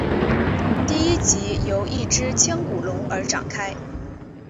第一集由一只腔骨龙而展开。